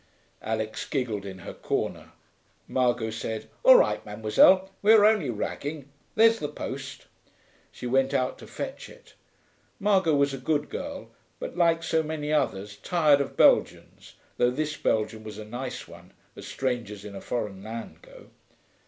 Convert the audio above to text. Alix giggled in her corner. Margot said, 'All right, Mademoiselle, we were only ragging. There's the post.' She went out to fetch it. Margot was a good girl, but, like so many others, tired of Belgians, though this Belgian was a nice one, as strangers in a foreign land go.